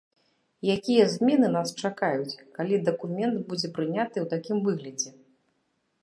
Якія змены нас чакаюць, калі дакумент будзе прыняты ў такім выглядзе?